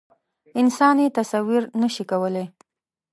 انسان یې تصویر نه شي کولی.